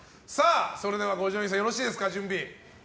それでは、五条院さん準備はよろしいですか。